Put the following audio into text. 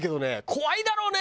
怖いだろうね！